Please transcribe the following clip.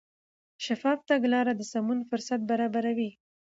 شفاف تګلاره د سمون فرصت برابروي.